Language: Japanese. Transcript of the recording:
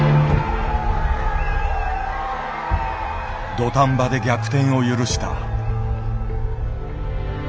土壇場で逆転を許した。